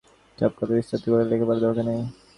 সব কথা বিস্তারিত করে লেখবার দরকার নেই।